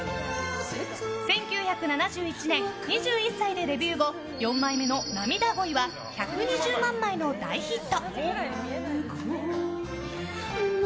１９７１年、２１歳でデビュー後４枚目の「なみだ恋」は１２０万枚の大ヒット。